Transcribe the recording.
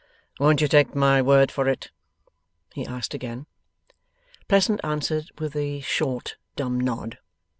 'Won't you take my word for it?' he asked again. Pleasant answered with a short dumb nod.